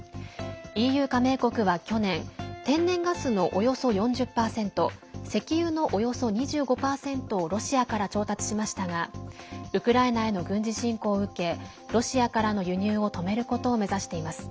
ＥＵ加盟国は、去年天然ガスのおよそ４０％石油のおよそ２５％をロシアから調達しましたがウクライナへの軍事侵攻を受けロシアからの輸入を止めることを目指しています。